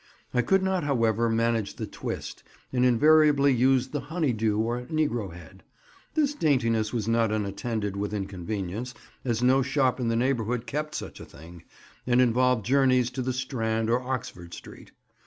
I could not, however, manage the twist, and invariably used the honey dew or negro head. This daintiness was not unattended with inconvenience, as no shop in the neighbourhood kept such a thing, and involved journeys to the Strand or Oxford Street.